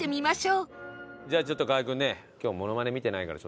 じゃあちょっと河合君ね今日モノマネ見てないから。